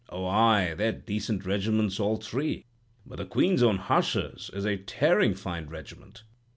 Oh, ay; they're decent regiments, all three. But the Queen's Own Hussars is a tearin' fine regiment.